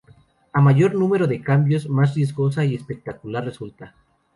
A mayor número de cambios, más riesgosa y espectacular resulta.